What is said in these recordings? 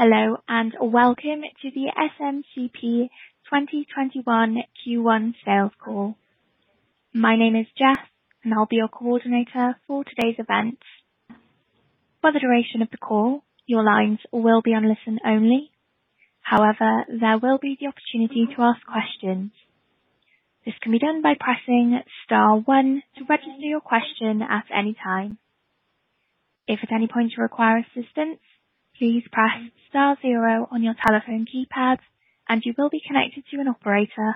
Hello, and welcome to the SMCP 2021 Q1 Sales Call. My name is Jess, and I'll be your coordinator for today's event. For the duration of the call, your lines will be on listen only. However, there will be the opportunity to ask questions. This can be done by pressing star one to register your question at any time. If at any point you require assistance, please press star zero on your telephone keypad, and you will be connected to an operator.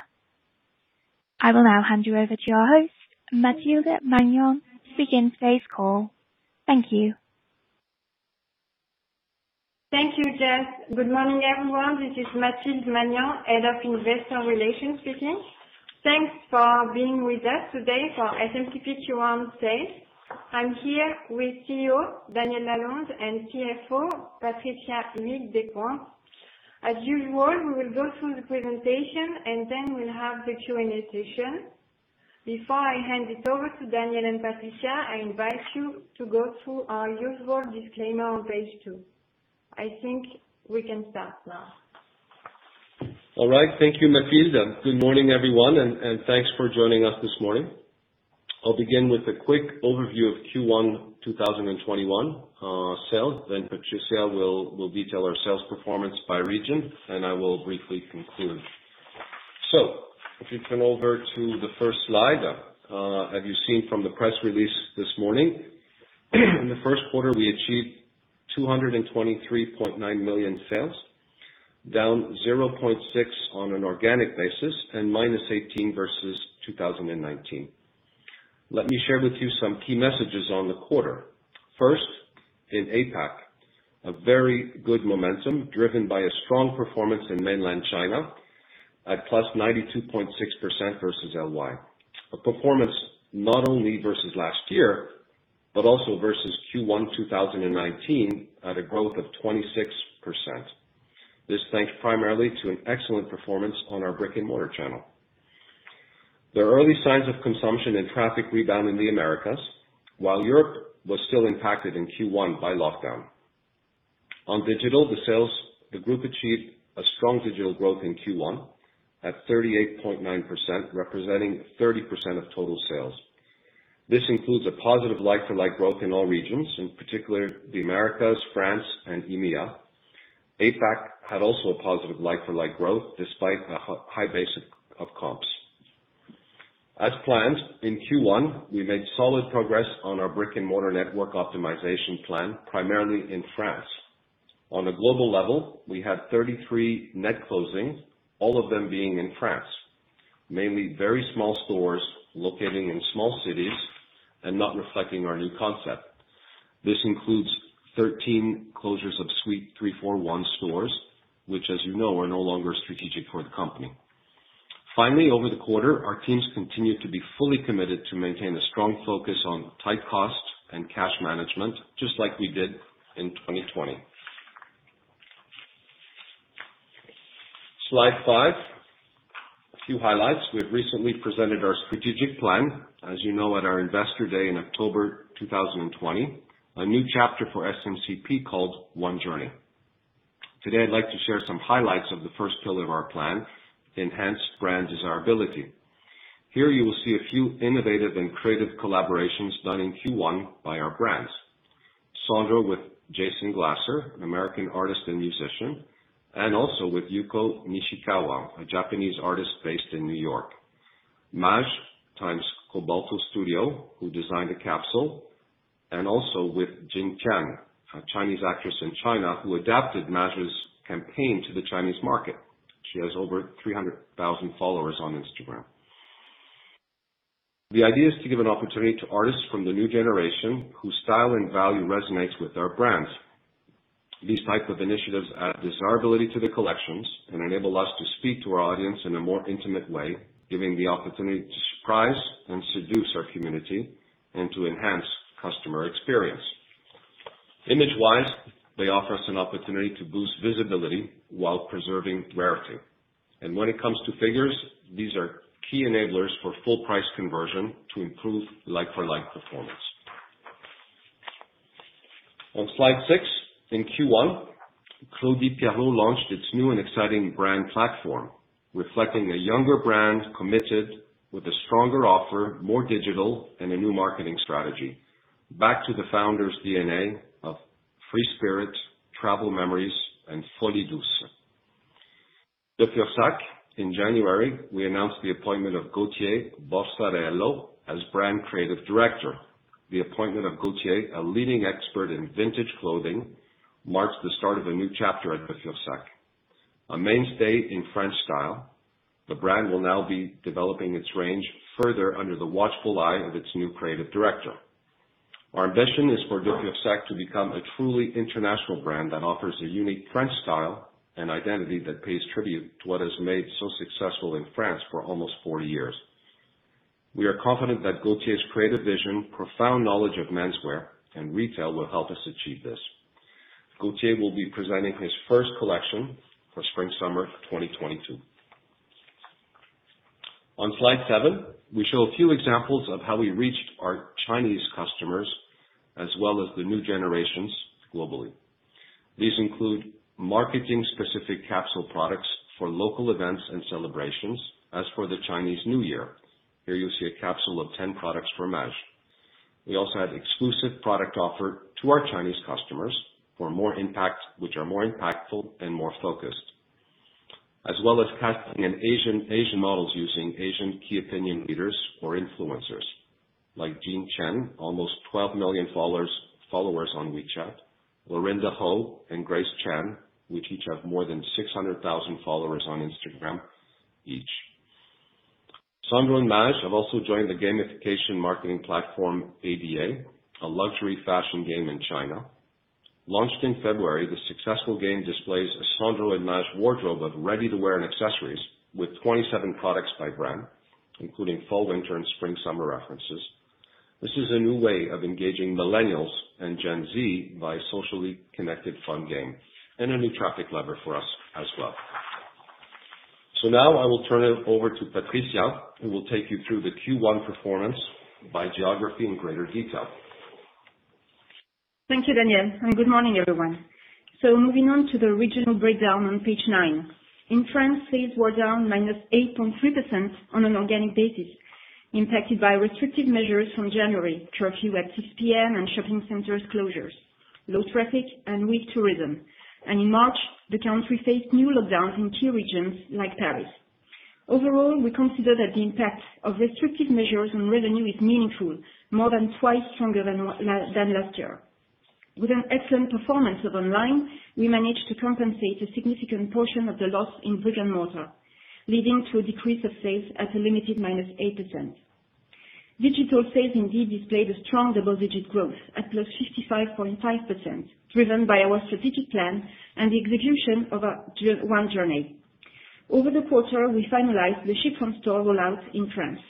I will now hand you over to your host. Mathilde Magnan begins today's call. Thank you. Thank you, Jess. Good morning, everyone. This is Mathilde Magnan, Head of Investor Relations speaking. Thanks for being with us today for SMCP Q1 sales. I'm here with CEO, Daniel Lalonde, and CFO, Patricia Huyghues Despointes. As usual, we will go through the presentation, and then we'll have the Q&A session. Before I hand it over to Daniel and Patricia, I invite you to go through our usual disclaimer on page two. I think we can start now. All right. Thank you, Mathilde, and good morning, everyone, and thanks for joining us this morning. I'll begin with a quick overview of Q1 2021 sales. Patricia will detail our sales performance by region, and I will briefly conclude. If you turn over to the first slide, as you've seen from the press release this morning, in the first quarter we achieved 223.9 million sales, down 0.6% on an organic basis and -18% versus 2019. Let me share with you some key messages on the quarter. First, in APAC, a very good momentum driven by a strong performance in mainland China at +92.6% versus LY. A performance not only versus last year, but also versus Q1 2019 at a growth of 26%. This thanks primarily to an excellent performance on our brick-and-mortar channel. There are early signs of consumption and traffic rebound in the Americas while Europe was still impacted in Q1 by lockdown. On digital, the group achieved a strong digital growth in Q1 at 38.9%, representing 30% of total sales. This includes a positive like-for-like growth in all regions, in particular the Americas, France, and EMEA. APAC had also a positive like-for-like growth despite a high base of comps. As planned, in Q1, we made solid progress on our brick-and-mortar network optimization plan, primarily in France. On a global level, we had 33 net closing, all of them being in France. Mainly very small stores locating in small cities and not reflecting our new concept. This includes 13 closures of Suite 341 stores, which as you know, are no longer strategic for the company. Finally, over the quarter, our teams continued to be fully committed to maintain a strong focus on tight cost and cash management, just like we did in 2020. Slide five, a few highlights. We've recently presented our strategic plan, as you know, at our investor day in October 2020. A new chapter for SMCP called One Journey. Today, I'd like to share some highlights of the first pillar of our plan, enhanced brand desirability. Here you will see a few innovative and creative collaborations done in Q1 by our brands. Sandro with Jason Glasser, an American artist and musician, and also with Yuko Nishikawa, a Japanese artist based in New York. Maje times Cobalto Studio, who designed a capsule, and also with Jing Tian, a Chinese actress in China who adapted Maje's campaign to the Chinese market. She has over 300,000 followers on Instagram. The idea is to give an opportunity to artists from the new generation whose style and value resonates with our brands. These type of initiatives add desirability to the collections and enable us to speak to our audience in a more intimate way, giving the opportunity to surprise and seduce our community and to enhance customer experience. Image wise, they offer us an opportunity to boost visibility while preserving rarity. When it comes to figures, these are key enablers for full price conversion to improve like-for-like performance. On slide six, in Q1, Claudie Pierlot launched its new and exciting brand platform, reflecting a younger brand committed with a stronger offer, more digital and a new marketing strategy. Back to the founder's DNA of free spirit, travel memories and folie douce. De Fursac, in January, we announced the appointment of Gauthier Borsarello as brand creative director. The appointment of Gauthier, a leading expert in vintage clothing, marks the start of a new chapter at De Fursac. A mainstay in French style, the brand will now be developing its range further under the watchful eye of its new creative director. Our ambition is for De Fursac to become a truly international brand that offers a unique French style and identity that pays tribute to what has made so successful in France for almost 40 years. We are confident that Gauthier's creative vision, profound knowledge of menswear and retail will help us achieve this. Gauthier will be presenting his first collection for spring summer 2022. On slide seven, we show a few examples of how we reached our Chinese customers as well as the new generations globally. These include marketing specific capsule products for local events and celebrations. As for the Chinese New Year, here you see a capsule of 10 products from Maje. We also have exclusive product offered to our Chinese customers which are more impactful and more focused, as well as casting Asian models using Asian key opinion leaders or influencers like Jean Chen, almost 12 million followers on WeChat, Laurinda Ho and Grace Chan, who each have more than 600,000 followers on Instagram each. Sandro and Maje have also joined the gamification marketing platform, ADA, a luxury fashion game in China. Launched in February, the successful game displays a Sandro and Maje wardrobe of ready-to-wear and accessories with 27 products by brand, including fall/winter and spring/summer references. This is a new way of engaging millennials and Gen Z by socially connected fun game, and a new traffic lever for us as well. Now I will turn it over to Patricia, who will take you through the Q1 performance by geography in greater detail. Thank you, Daniel. Good morning, everyone. Moving on to the regional breakdown on page nine. In France, sales were down -8.3% on an organic basis, impacted by restrictive measures from January, curfew at 6:00 P.M. and shopping centers closures, low traffic and weak tourism. In March, the country faced new lockdowns in key regions like Paris. Overall, we consider that the impact of restrictive measures on revenue is meaningful, more than twice stronger than last year. With an excellent performance of online, we managed to compensate a significant portion of the loss in brick and mortar, leading to a decrease of sales at a limited -8%. Digital sales indeed displayed a strong double-digit growth at +55.5%, driven by our strategic plan and the execution of our One Journey. Over the quarter, we finalized the ship-from-store rollout in France.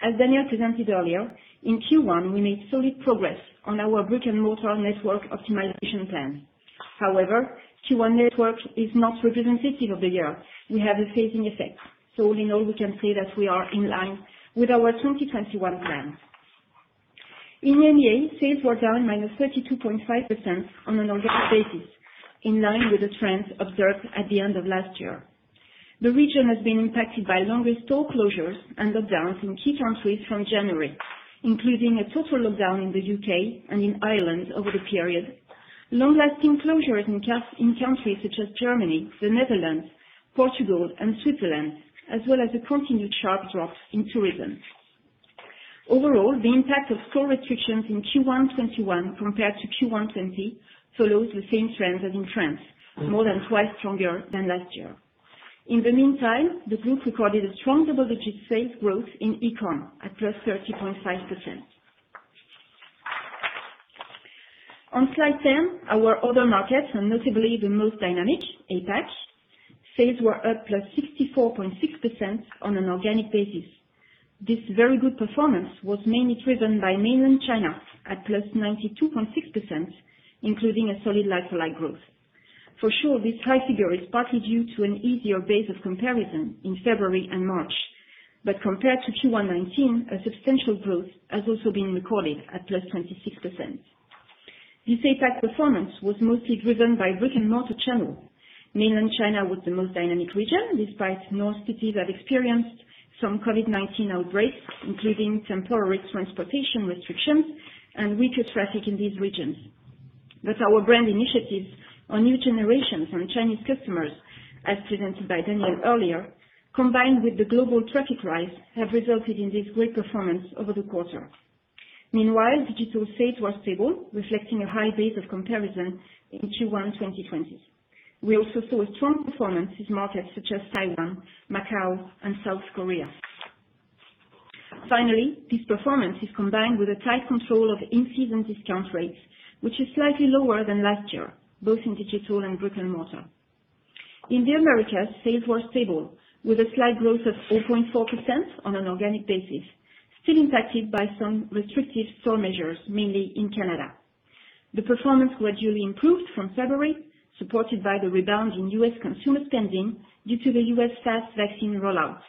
As Daniel presented earlier, in Q1, we made solid progress on our brick and mortar network optimization plan. Q1 network is not representative of the year. We have a phasing effect. All in all, we can say that we are in line with our 2021 plan. In EMEA, sales were down -32.5% on an organic basis, in line with the trends observed at the end of last year. The region has been impacted by longer store closures and lockdowns in key countries from January, including a total lockdown in the U.K. and in Ireland over the period. Long-lasting closures in countries such as Germany, the Netherlands, Portugal and Switzerland, as well as a continued sharp drop in tourism. The impact of store restrictions in Q1 2021 compared to Q1 2020 follows the same trends as in France, more than twice stronger than last year. In the meantime, the group recorded a strong double-digit sales growth in e-com at +30.5%. On slide 10, our other markets are notably the most dynamic, APAC. Sales were up +64.6% on an organic basis. This very good performance was mainly driven by mainland China at +92.6%, including a solid like-for-like growth. For sure, this high figure is partly due to an easier base of comparison in February and March. Compared to Q1 2019, a substantial growth has also been recorded at +26%. This APAC performance was mostly driven by brick and mortar channel. Mainland China was the most dynamic region, despite north cities have experienced some COVID-19 outbreaks, including temporary transportation restrictions and weaker traffic in these regions. Our brand initiatives on new generations and Chinese customers, as presented by Daniel earlier, combined with the global traffic rise, have resulted in this great performance over the quarter. Meanwhile, digital sales were stable, reflecting a high base of comparison in Q1 2020. We also saw a strong performance in markets such as Taiwan, Macau and South Korea. Finally, this performance is combined with a tight control of in-season discount rates, which is slightly lower than last year, both in digital and brick and mortar. In the Americas, sales were stable with a slight growth of 0.4% on an organic basis, still impacted by some restrictive store measures, mainly in Canada. The performance gradually improved from February, supported by the rebound in U.S. consumer spending due to the U.S. fast vaccine rollout.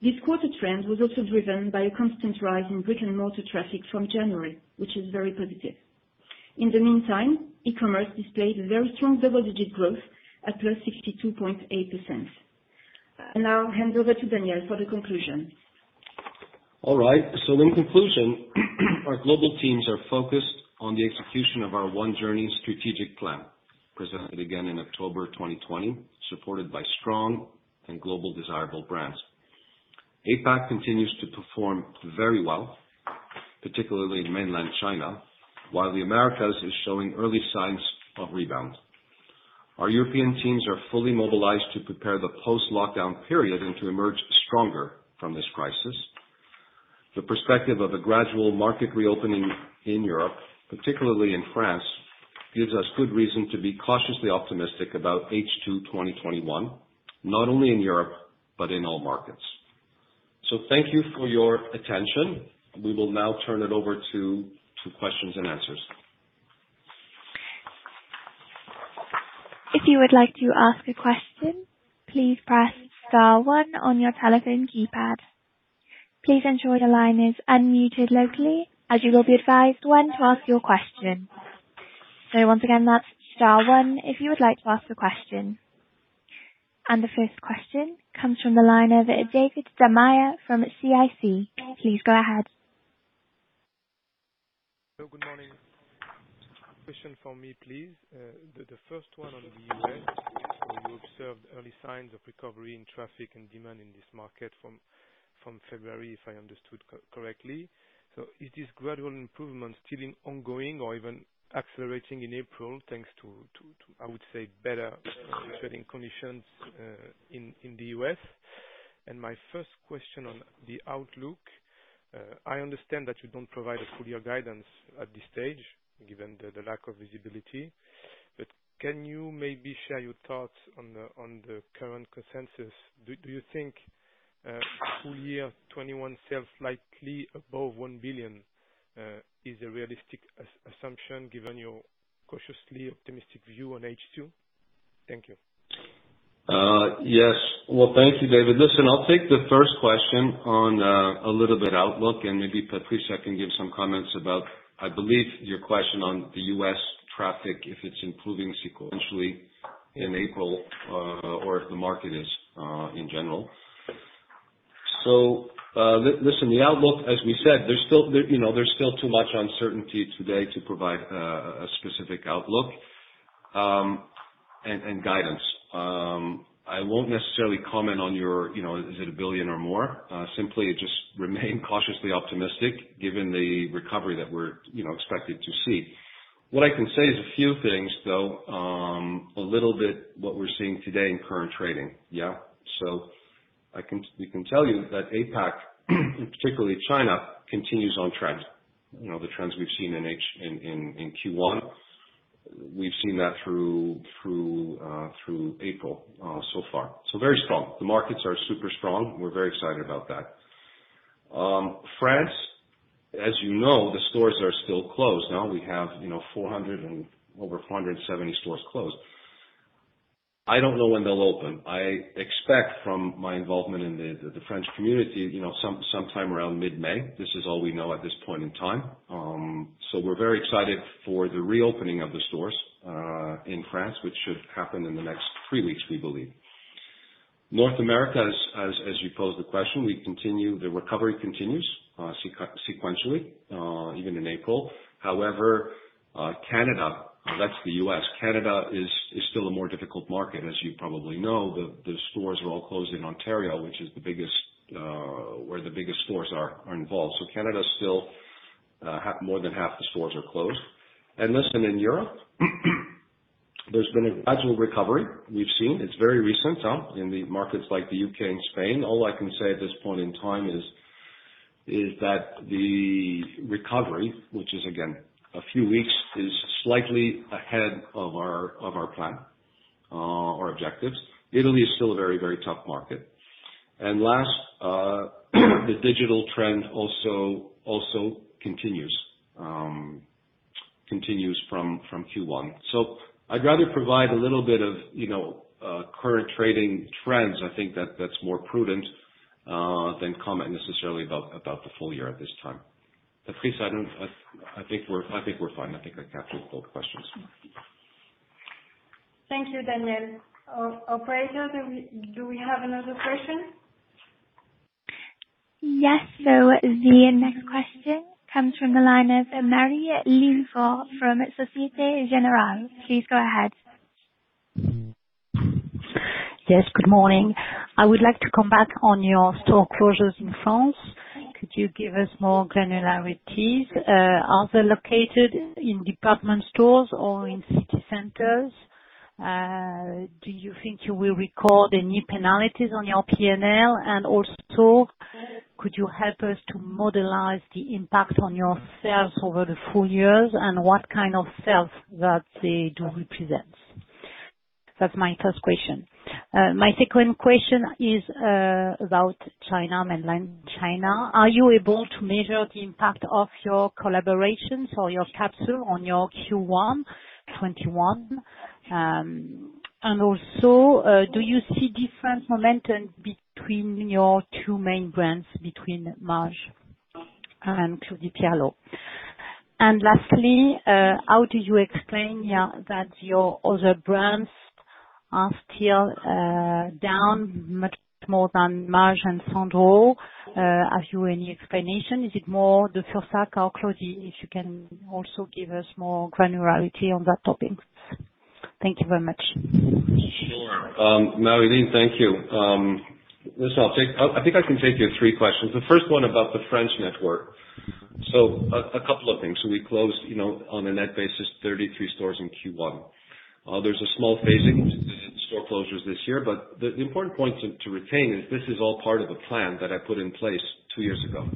This quarter trend was also driven by a constant rise in brick and mortar traffic from January, which is very positive. In the meantime, e-commerce displayed a very strong double-digit growth at +62.8%. I now hand over to Daniel for the conclusion. All right. In conclusion, our global teams are focused on the execution of our One Journey strategic plan, presented again in October 2020, supported by strong and global desirable brands. APAC continues to perform very well, particularly in mainland China, while the Americas is showing early signs of rebound. Our European teams are fully mobilized to prepare the post-lockdown period and to emerge stronger from this crisis. The perspective of a gradual market reopening in Europe, particularly in France, gives us good reason to be cautiously optimistic about H2 2021, not only in Europe, but in all markets. Thank you for your attention. We will now turn it over to questions-and-answers. The first question comes from the line of David da Maia from CIC. Please go ahead. Good morning. Question for me, please. The first one on the U.S. You observed early signs of recovery in traffic and demand in this market from February, if I understood correctly. Is this gradual improvement still ongoing or even accelerating in April, thanks to, I would say, better trading conditions in the U.S.? My first question on the outlook. I understand that you don't provide a full-year guidance at this stage, given the lack of visibility, but can you maybe share your thoughts on the current consensus? Do you think a full-year 2021 sales likely above 1 billion, is a realistic assumption given your cautiously optimistic view on H2? Thank you. Yes. Well, thank you, David da Maia. Listen, I'll take the first question on a little bit outlook, and maybe Patricia Huyghues Despointes can give some comments about, I believe, your question on the U.S. traffic, if it's improving sequentially in April or if the market is in general? Listen, the outlook, as we said, there's still too much uncertainty today to provide a specific outlook and guidance. I won't necessarily comment on your, is it a billion or more. Simply just remain cautiously optimistic given the recovery that we're expected to see. What I can say is a few things, though, a little bit what we're seeing today in current trading. Yeah. I can tell you that APAC and particularly China continues on trend. The trends we've seen in Q1. We've seen that through April so far. Very strong. The markets are super strong. We're very excited about that. France, as you know, the stores are still closed. We have over 470 stores closed. I don't know when they'll open. I expect from my involvement in the French community, sometime around mid-May. This is all we know at this point in time. We're very excited for the reopening of the stores, in France, which should happen in the next three weeks, we believe. North America, as you posed the question, the recovery continues, sequentially, even in April. Canada That's the U.S. Canada is still a more difficult market, as you probably know. The stores are all closed in Ontario, which is where the biggest stores are involved. Canada is still more than half the stores are closed. Listen, in Europe, there's been a gradual recovery we've seen. It's very recent in the markets like the U.K. and Spain. All I can say at this point in time is that the recovery, which is again, a few weeks, is slightly ahead of our plan, or objectives. Italy is still a very, very tough market. Last, the digital trend also continues from Q1. I'd rather provide a little bit of current trading trends. I think that's more prudent, than comment necessarily about the full-year at this time. Patricia, I think we're fine. I think I captured both questions. Thank you, Daniel. Operator, do we have another question? Yes. The next question comes from the line of Marie-Line Fort from Societe Generale. Please go ahead. Yes, good morning. I would like to come back on your store closures in France. Could you give us more granularities? Are they located in department stores or in city centers? Do you think you will record any penalties on your P&L? Also, could you help us to modelize the impact on your sales over the full-years and what kind of sales that they do represent? That's my first question. My second question is about China, mainland China. Are you able to measure the impact of your collaborations or your capsule on your Q1 2021? Also, do you see different momentum between your two main brands, between Maje and Claudie Pierlot? Lastly, how do you explain that your other brands are still down much more than Maje and Sandro? Have you any explanation? Is it more De Fursac or Claudie? If you can also give us more granularity on that topic. Thank you very much. Marie-Line, thank you. I think I can take your three questions. The first one about the French network. A couple of things. We closed on a net basis 33 stores in Q1. There's a small phasing to store closures this year. The important point to retain is this is all part of a plan that I put in place two years ago.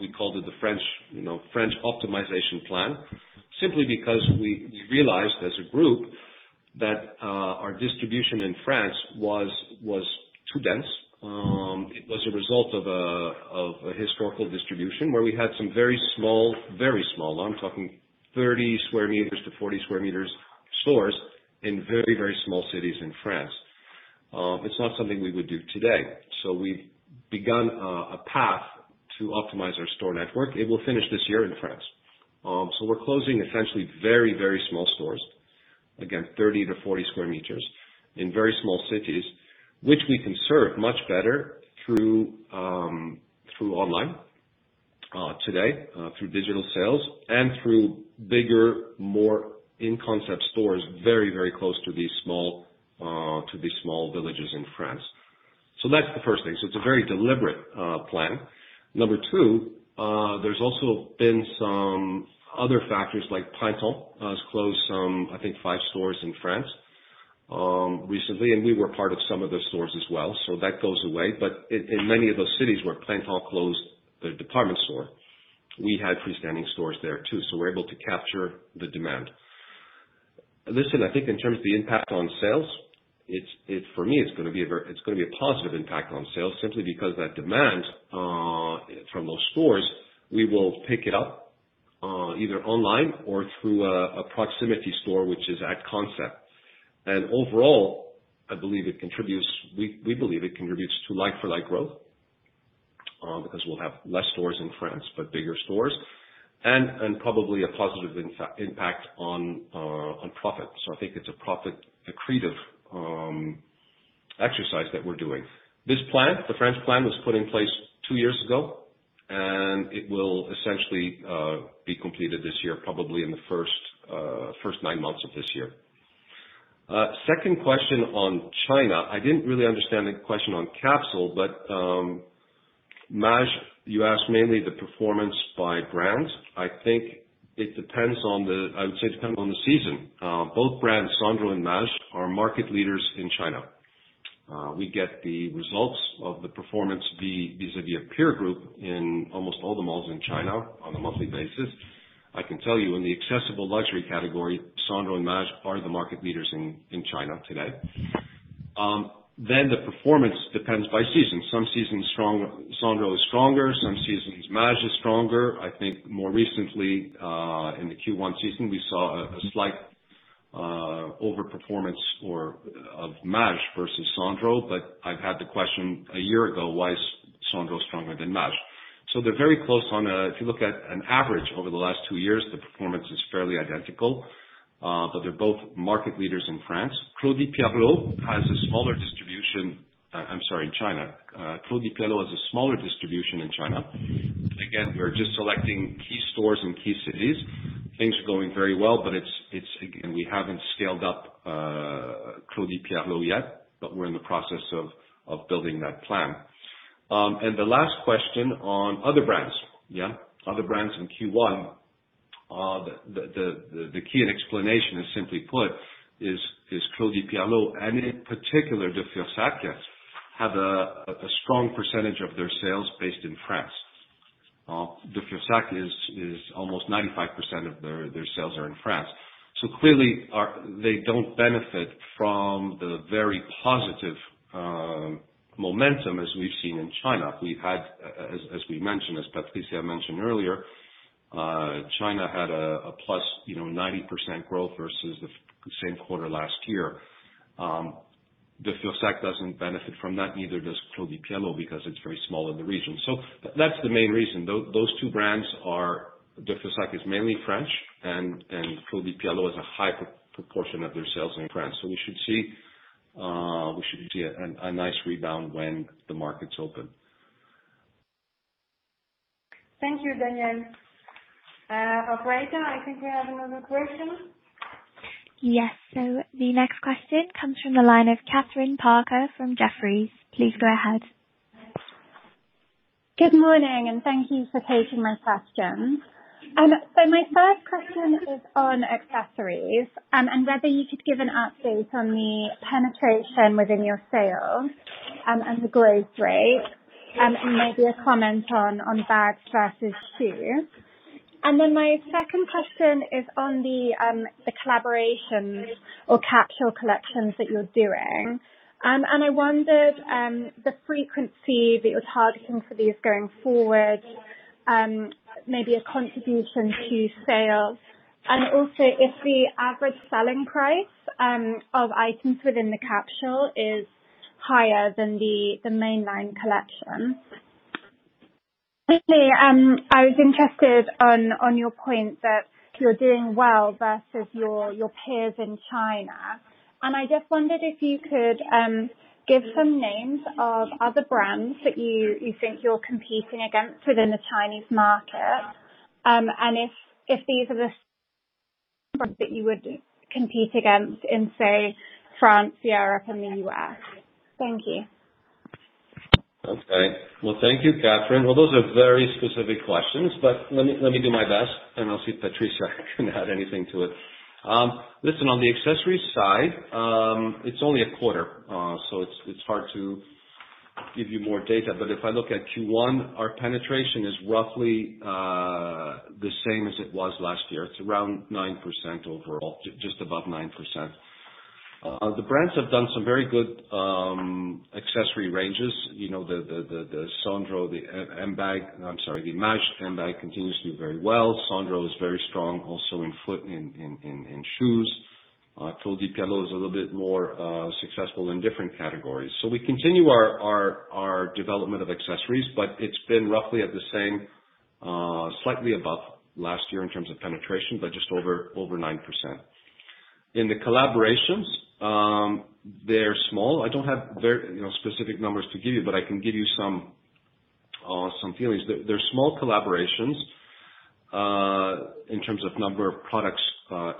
We called it the French Optimization Plan, simply because we realized as a group that our distribution in France was too dense. It was a result of a historical distribution, where we had some very small, now I'm talking 30 sq m to 40 sq m, stores in very small cities in France. It's not something we would do today. We've begun a path to optimize our store network. It will finish this year in France. We're closing essentially very small stores, again, 30-40 sq m, in very small cities, which we can serve much better through online today, through digital sales, and through bigger, more in-concept stores, very close to these small villages in France. That's the first thing. It's a very deliberate plan. Number two, there's also been some other factors like Printemps has closed some, I think, five stores in France recently, and we were part of some of those stores as well, that goes away. In many of those cities where Printemps closed their department store, we had freestanding stores there too. We're able to capture the demand. Listen, I think in terms of the impact on sales, for me, it's going to be a positive impact on sales simply because that demand from those stores, we will pick it up, either online or through a proximity store, which is at concept. Overall, we believe it contributes to like-for-like growth, because we'll have less stores in France, but bigger stores, and probably a positive impact on profits. I think it's a profit-accretive exercise that we're doing. This plan, the French plan, was put in place two years ago, and it will essentially be completed this year, probably in the first nine months of this year. Second question on China. I didn't really understand the question on capsule, but Maje, you asked mainly the performance by brand. I would say it depends on the season. Both brands, Sandro and Maje, are market leaders in China. We get the results of the performance vis-à-vis a peer group in almost all the malls in China on a monthly basis. I can tell you, in the accessible luxury category, Sandro and Maje are the market leaders in China today. The performance depends by season. Some seasons Sandro is stronger, some seasons Maje is stronger. I think more recently, in the Q1 season, we saw a slight over-performance of Maje versus Sandro. I've had the question a year ago, why is Sandro stronger than Maje? They're very close. If you look at an average over the last two years, the performance is fairly identical. They're both market leaders in France. Claudie Pierlot has a smaller distribution in China. Again, we're just selecting key stores in key cities. Things are going very well, but again, we haven't scaled up Claudie Pierlot yet, but we're in the process of building that plan. The last question on other brands. Other brands in Q1. The key and explanation is simply put, is Claudie Pierlot and in particular, De Fursac, have a strong % of their sales based in France. De Fursac is almost 95% of their sales are in France. Clearly, they don't benefit from the very positive momentum as we've seen in China. As Patricia mentioned earlier, China had a +90% growth versus the same quarter last year. De Fursac doesn't benefit from that. Neither does Claudie Pierlot because it's very small in the region. That's the main reason. Those two brands are, De Fursac is mainly French, and Claudie Pierlot has a high proportion of their sales in France. We should see a nice rebound when the markets open. Thank you, Daniel. Operator, I think we have another question. Yes. The next question comes from the line of Kathryn Parker from Jefferies. Please go ahead. Good morning, and thank you for taking my questions. My first question is on accessories, and whether you could give an update on the penetration within your sales, and the growth rate, and maybe a comment on bags versus shoes. My second question is on the collaborations or capsule collections that you're doing. I wondered, the frequency that you're targeting for these going forward, maybe a contribution to sales. Also, if the average selling price, of items within the capsule is higher than the mainline collection. Lastly, I was interested on your point that you're doing well versus your peers in China, and I just wondered if you could give some names of other brands that you think you're competing against within the Chinese market. If these are the that you would compete against in, say, France, Europe, and the U.S. Thank you. Thank you, Kathryn. Those are very specific questions, but let me do my best, and I'll see if Patricia Huyghues Despointes can add anything to it. Listen, on the accessories side, it's only a quarter, so it's hard to give you more data, but if I look at Q1, our penetration is roughly the same as it was last year. It's around 9% overall, just above 9%. The brands have done some very good accessory ranges. The Sandro, the M bag I'm sorry, the Maje M bag continues to do very well. Sandro is very strong also in foot, in shoes. Claudie Pierlot is a little bit more successful in different categories. We continue our development of accessories, but it's been roughly at the same, slightly above last year in terms of penetration, but just over 9%. In the collaborations, they're small. I don't have specific numbers to give you, but I can give you some feelings. They're small collaborations, in terms of number of products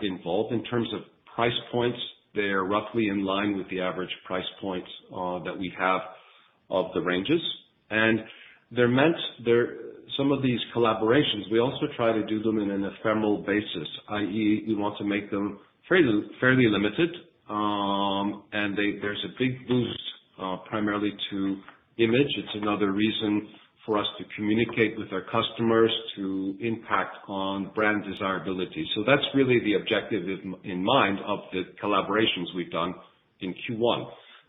involved. In terms of price points, they're roughly in line with the average price points that we have of the ranges. Some of these collaborations, we also try to do them in an ephemeral basis, i.e., we want to make them fairly limited. There's a big boost primarily to image. It's another reason for us to communicate with our customers to impact on brand desirability. That's really the objective in mind of the collaborations we've done in Q1.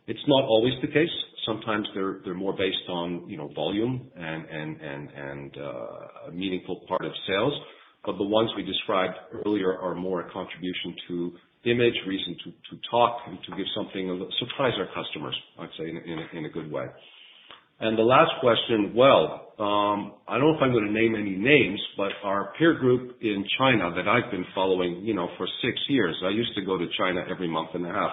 It's not always the case. Sometimes they're more based on volume and a meaningful part of sales. The ones we described earlier are more a contribution to image, reason to talk, and to surprise our customers, I'd say, in a good way. The last question, well, I don't know if I'm going to name any names, but our peer group in China that I've been following for six years. I used to go to China every month and a half.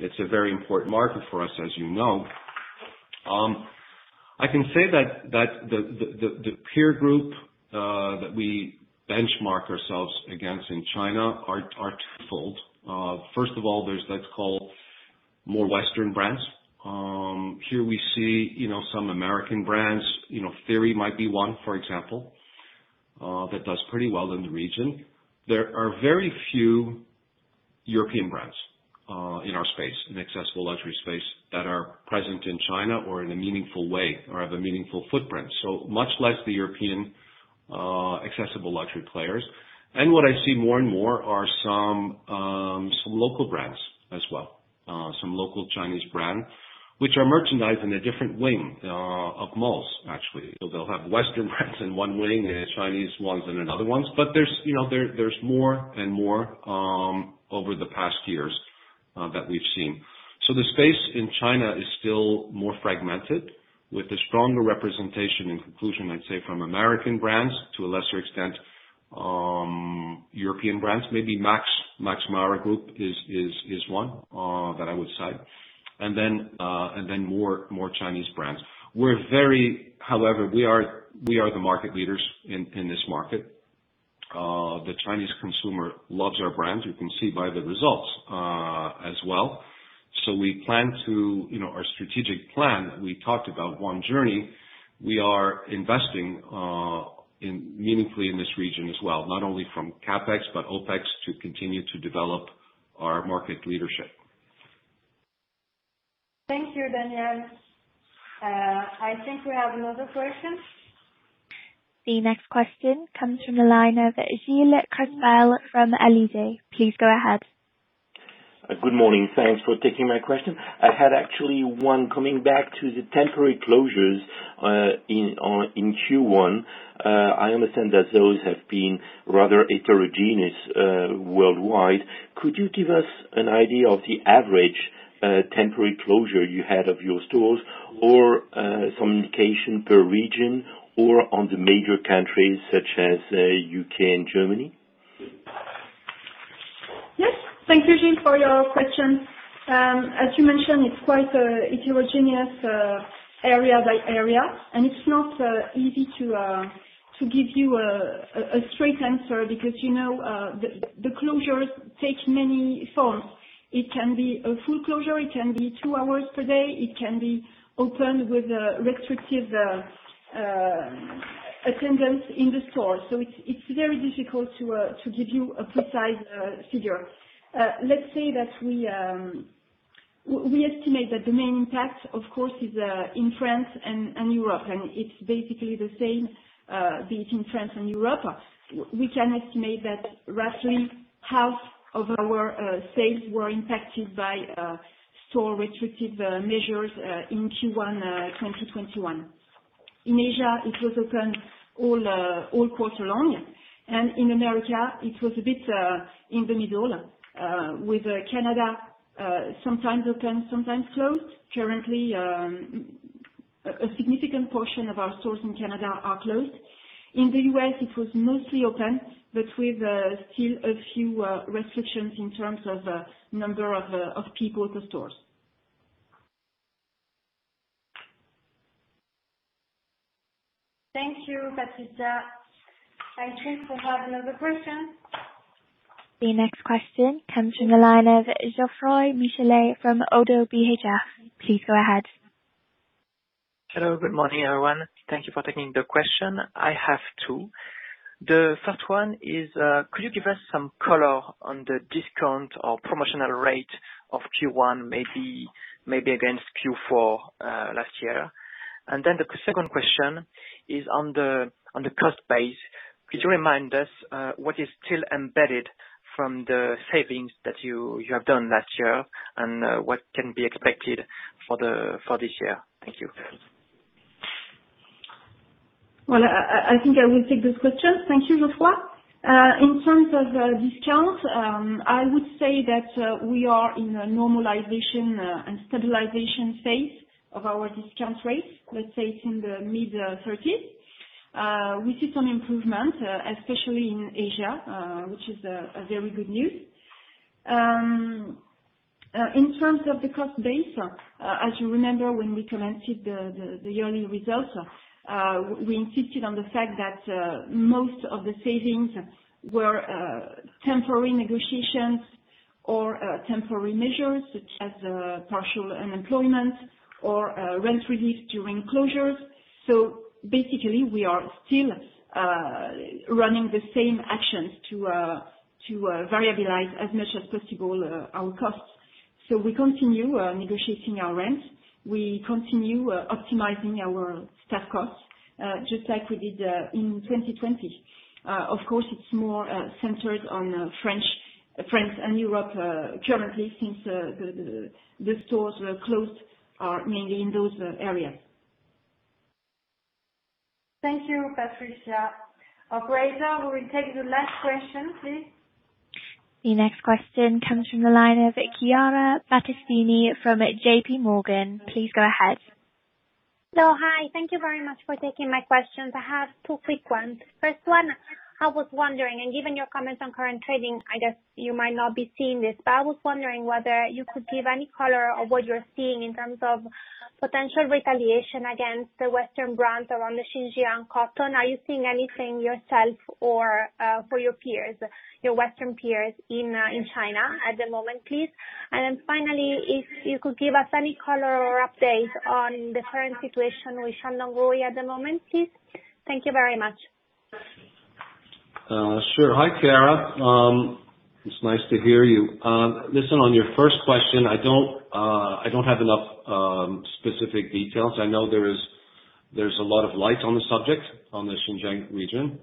It's a very important market for us, as you know. I can say that the peer group that we benchmark ourselves against in China are twofold. First of all, let's call more Western brands. Here we see some American brands, Theory might be one, for example, that does pretty well in the region. There are very few European brands in our space, in accessible luxury space, that are present in China or in a meaningful way or have a meaningful footprint. Much less the European accessible luxury players. What I see more and more are some local brands as well, some local Chinese brand, which are merchandised in a different wing of malls, actually. They'll have Western brands in one wing and Chinese ones in another ones. There's more and more over the past years that we've seen. The space in China is still more fragmented with a stronger representation, in conclusion, I'd say, from American brands, to a lesser extent, European brands, maybe Max Mara Group is one that I would cite. Then more Chinese brands. However, we are the market leaders in this market. The Chinese consumer loves our brands. You can see by the results as well. Our strategic plan, we talked about One Journey. We are investing meaningfully in this region as well, not only from CapEx but OpEx, to continue to develop our market leadership. Thank you, Daniel. I think we have another question. The next question comes from the line of Gilles Cregel from Allied. Please go ahead. Good morning. Thanks for taking my question. I had actually one coming back to the temporary closures in Q1. I understand that those have been rather heterogeneous worldwide. Could you give us an idea of the average temporary closure you had of your stores or some indication per region or on the major countries such as U.K. and Germany? Yes. Thank you, Gilles, for your question. As you mentioned, it's quite a heterogeneous area by area, and it's not easy to give you a straight answer because the closures take many forms. It can be a full closure, it can be two hours per day, it can be open with a restrictive attendance in the store. It's very difficult to give you a precise figure. Let's say that we estimate that the main impact, of course, is in France and Europe, and it's basically the same, be it in France and Europe. We can estimate that roughly half of our sales were impacted by store restrictive measures in Q1 2021. In Asia, it was open all quarter long. In America it was a bit in the middle, with Canada sometimes open, sometimes closed. Currently, a significant portion of our stores in Canada are closed. In the U.S., it was mostly open, but with still a few restrictions in terms of number of people to stores. Thank you, Patricia. I think we have another question. The next question comes from the line of Geoffroy Michalet from ODDO BHF. Please go ahead. Hello. Good morning, everyone. Thank you for taking the question. I have two. The first one is, could you give us some color on the discount or promotional rate of Q1, maybe against Q4 last year? The second question is on the cost base. Could you remind us, what is still embedded from the savings that you have done last year, and what can be expected for this year? Thank you. Well, I think I will take this question. Thank you, Geoffroy. In terms of discount, I would say that we are in a normalization and stabilization phase of our discount rates, let's say it's in the mid-30s. We see some improvement, especially in Asia, which is a very good news. In terms of the cost base, as you remember, when we commenced the yearly results, we insisted on the fact that most of the savings were temporary negotiations or temporary measures such as partial unemployment or rent relief during closures. Basically, we are still running the same actions to variabilize as much as possible our costs. We continue negotiating our rents. We continue optimizing our staff costs, just like we did in 2020. Of course, it's more centered on France and Europe, currently since the stores were closed are mainly in those areas. Thank you, Patricia. Operator, we will take the last question, please. The next question comes from the line of Chiara Battistini from JPMorgan. Please go ahead. Hi. Thank you very much for taking my questions. I have two quick ones. First one, I was wondering, and given your comments on current trading, I guess you might not be seeing this, but I was wondering whether you could give any color of what you're seeing in terms of potential retaliation against the Western brands around the Xinjiang cotton. Are you seeing anything yourself or for your peers, your Western peers in China at the moment, please? Finally, if you could give us any color or update on the current situation with Shandong Ruyi at the moment, please. Thank you very much. Sure. Hi, Chiara. It's nice to hear you. On your first question, I don't have enough specific details. I know there's a lot of light on the subject, on the Xinjiang region.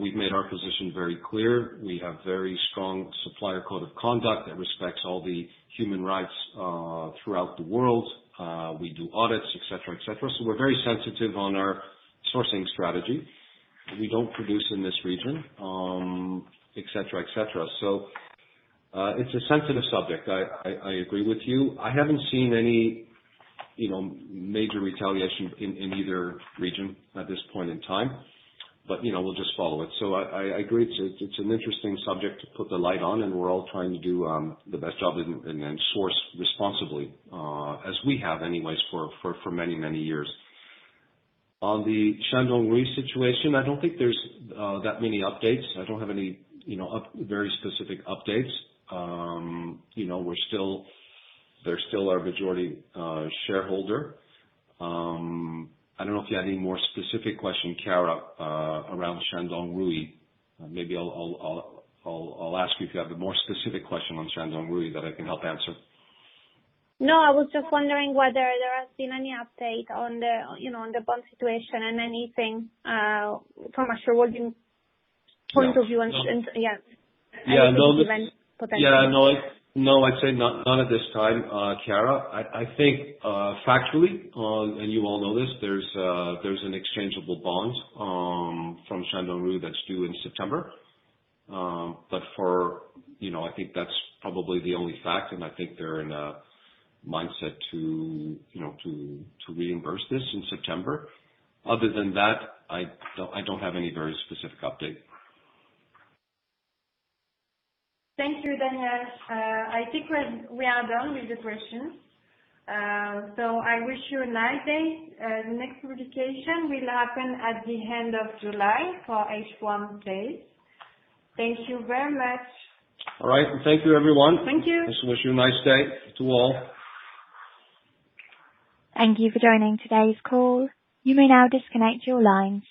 We've made our position very clear. We have very strong supplier code of conduct that respects all the human rights throughout the world. We do audits, et cetera. We're very sensitive on our sourcing strategy. We don't produce in this region, et cetera. It's a sensitive subject. I agree with you. I haven't seen any major retaliation in either region at this point in time. We'll just follow it. I agree. It's an interesting subject to put the light on, and we're all trying to do the best job and source responsibly, as we have anyways for many years. On the Shandong Ruyi situation, I don't think there's that many updates. I don't have any very specific updates. They're still our majority shareholder. I don't know if you had any more specific question, Chiara, around Shandong Ruyi. Maybe I'll ask you if you have a more specific question on Shandong Ruyi that I can help answer. No, I was just wondering whether there has been any update on the bond situation and anything, from a shareholding point of view. Yeah, no, I'd say none at this time, Chiara. I think factually on, you all know this, there's an exchangeable bond from Shandong Ruyi that's due in September. I think that's probably the only fact, and I think they're in a mindset to reimburse this in September. Other than that, I don't have any very specific update. Thank you, Daniel. I think we are done with the questions. I wish you a nice day. The next communication will happen at the end of July for H1 data. Thank you very much. All right, thank you everyone. Thank you. Just wish you a nice day to all. Thank you for joining today's call. You may now disconnect your lines.